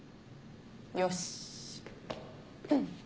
よし。